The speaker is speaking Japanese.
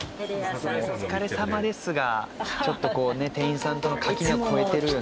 「お疲れさまです」がちょっとこうね店員さんとの垣根を越えてるよね。